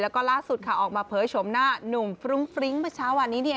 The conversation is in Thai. แล้วก็ล่าสุดค่ะออกมาเผยชมหน้าหนุ่มฟรุ้งฟริ้งเมื่อเช้าวันนี้เนี่ย